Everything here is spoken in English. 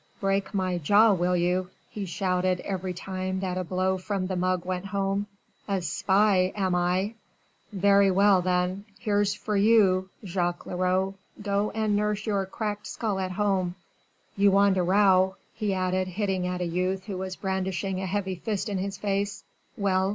"Break my jaw, will you," he shouted every time that a blow from the mug went home, "a spy am I? Very well then, here's for you, Jacques Leroux; go and nurse your cracked skull at home. You want a row," he added hitting at a youth who brandished a heavy fist in his face, "well!